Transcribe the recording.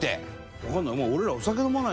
わかんない。